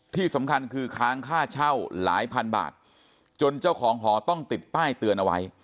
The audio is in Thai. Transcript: ที่สำคัญคือค้างค่าเช่าหลายพันบาทจนเจ้าของหอต้องติดป้ายเตือนเอาไว้